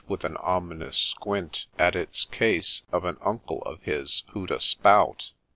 With an ominous squint At its case, of an ' Uncle ' of his, who'd a ' Spout.'